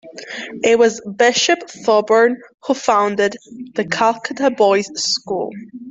It was Bishop Thoburn who founded the Calcutta Boys' School.